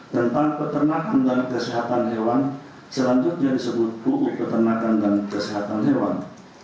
tentang keternakan dan kesehatan hewan selanjutnya disebut pu keternakan dan kesehatan hewan